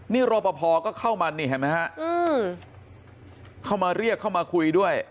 นี่รอปภก็เข้ามานี่เห็นไหมฮะเข้ามาเรียกเข้ามาคุยด้วย